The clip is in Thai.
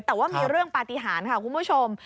แต่ว่ามีเรื่องปฏิหารค่ะคุณผู้ชม